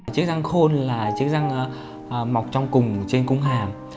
chiếc răng khôn là chiếc răng mọc trong cùng trên cung hàm